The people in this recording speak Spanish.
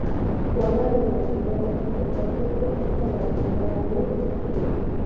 Juega de delantero en Deportes Temuco de la Primera B de Chile.